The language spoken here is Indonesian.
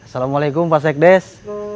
salam waalaikum pak seek des